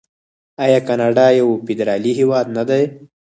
آیا کاناډا یو فدرالي هیواد نه دی؟